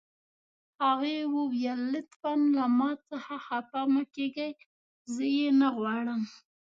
هغې وویل: لطفاً له ما څخه خفه مه کیږئ، زه یې نه غواړم.